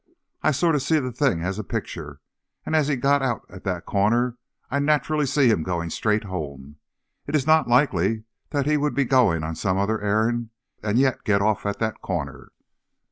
"I sort of see the thing as a picture. And as he got out at that corner I naturally see him going straight home. It is not likely that he would be going on some other errand, and yet get off at that corner."